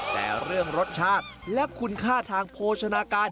แต่เรื่องรสชาติและคุณค่าทางโภชนาการ